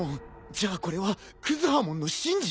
じゃあこれはクズハモンの神事？